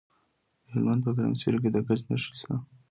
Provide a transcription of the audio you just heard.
د هلمند په ګرمسیر کې د ګچ نښې شته.